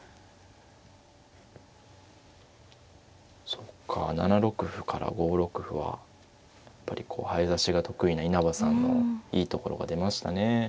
そっか７六歩から５六歩はやっぱり早指しが得意な稲葉さんのいいところが出ましたね。